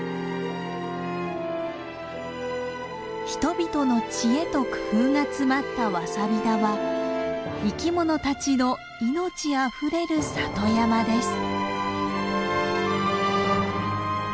人々の知恵と工夫が詰まったワサビ田は生き物たちの命あふれる里山です。